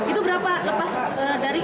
itu berapa lepas dari